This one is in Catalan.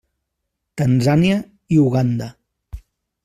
Tanzània i Uganda.